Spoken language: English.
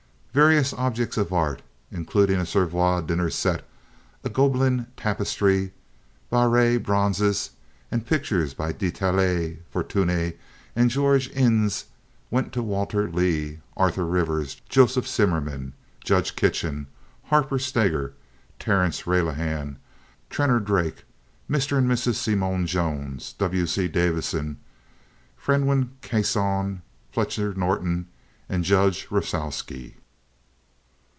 Various objects of art, including a Sevres dinner set, a Gobelin tapestry, Barye bronzes and pictures by Detaille, Fortuny, and George Inness, went to Walter Leigh, Arthur Rivers, Joseph Zimmerman, Judge Kitchen, Harper Steger, Terrence Relihan, Trenor Drake, Mr. and Mrs. Simeon Jones, W. C. Davison, Frewen Kasson, Fletcher Norton, and Judge Rafalsky.